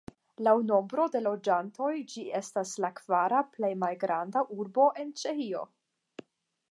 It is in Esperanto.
Laŭ nombro de loĝantoj ĝi estas la kvara plej malgranda urbo en Ĉeĥio.